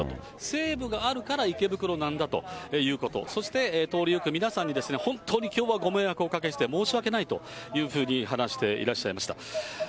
西武があるから池袋なんだということ、そして通り行く皆さんに、本当にきょうはご迷惑をおかけして申し訳ないというふうに話していらっしゃいました。